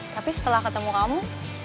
tapi setelah ketemu kamu